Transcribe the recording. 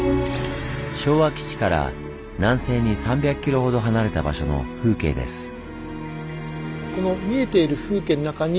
昭和基地から南西に３００ｋｍほど離れた場所の風景です。